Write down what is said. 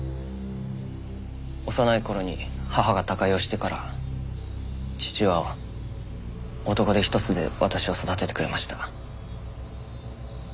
幼い頃に母が他界をしてから父は男手一つで私を育ててくれました。